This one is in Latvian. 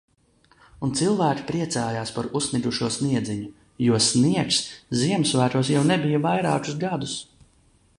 Un cilvēki priecājās par uzsnigušo sniedziņu. Jo sniegs Ziemassvētkos jau nebija vairākus gadus...